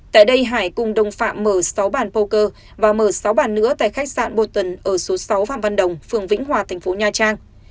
tại đây hải cùng đồng phạm mở sáu bàn pô và mở sáu bàn nữa tại khách sạn boton ở số sáu phạm văn đồng phường vĩnh hòa thành phố nha trang